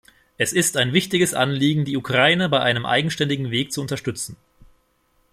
Es ist ein wichtiges Anliegen, die Ukraine bei einem eigenständigen Weg zu unterstützen.